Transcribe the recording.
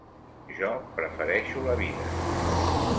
Jo prefereixo la vida.